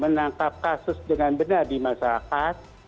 menangkap kasus dengan benar di masyarakat